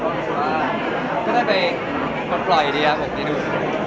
ก็รู้สึกว่าก็ได้ไปปล่อยดีครับผมไปดู